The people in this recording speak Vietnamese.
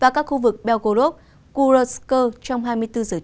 và các khu vực belgorod kurochka trong hai mươi bốn giờ trước đó